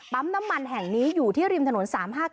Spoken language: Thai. น้ำมันแห่งนี้อยู่ที่ริมถนน๓๕๙